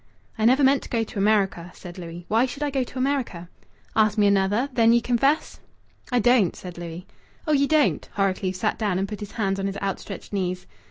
"I never meant to go to America," said Louis. "Why should I go to America?" "Ask me another. Then ye confess?" "I don't," said Louis. "Oh! Ye don't!" Horrocleave sat down and put his hands on his outstretched knees.